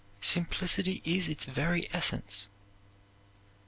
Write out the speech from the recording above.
Simplicity is its very essence.